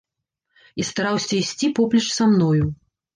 І стараўся ісці поплеч са мною.